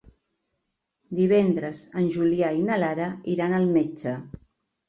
Divendres en Julià i na Lara iran al metge.